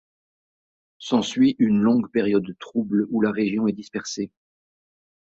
S'ensuit une longue période trouble où la région est dispersée.